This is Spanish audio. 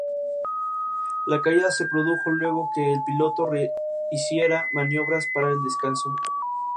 Ha aparecido en obras de teatro como "Nana", "Anna Karenina" y "The Kid".